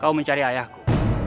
kau mencari ayah ku